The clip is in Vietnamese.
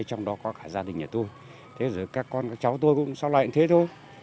trong đó có cả gia đình nhà tôi các con các cháu tôi cũng sao lại như thế thôi